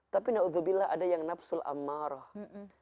tapi na'udzubillah ada yang nafsu amma'i